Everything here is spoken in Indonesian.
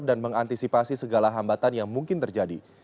dan mengantisipasi segala hambatan yang mungkin terjadi